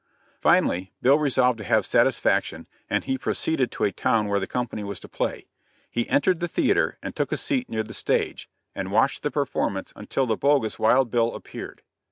Finally, Bill resolved to have satisfaction and he proceeded to a town where the company was to play; he entered the theater and took a seat near the stage, and watched the performance until the bogus Wild Bill appeared.